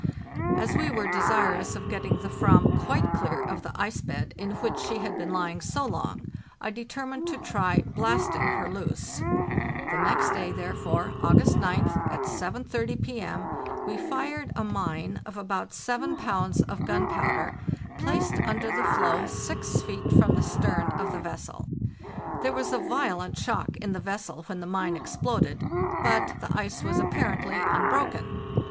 As we were desirous of getting the "7am quite clear of the ice bed in which she had been lying so long, I determined to try blasting her loose. The next day, therefore, August oth, at 7.30 P.M., we fired a mine of about 7 pounds of gunpowder, placed under the floe 6 feet from the stern of the vessel. There was a violent shock in the vessel when the mine exploded, but the ice was apparently unbroken.